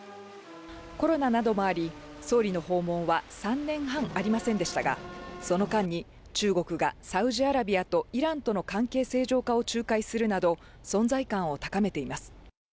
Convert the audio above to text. コロナなどもあり、総理の訪問は３年半ありませんでしたが、その間に中国がサウジアラビアとイランとの関係正常化を仲介するなど存在感を高めています。